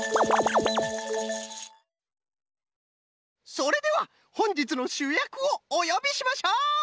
それではほんじつのしゅやくをおよびしましょう！